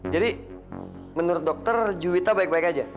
jadi menurut dokter juwita baik baik aja